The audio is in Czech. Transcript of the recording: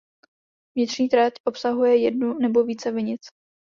Viniční trať obsahuje jednu nebo více vinic.